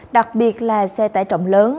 đặc biệt là xe tải trọng lớn